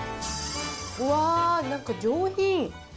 わー、なんか上品。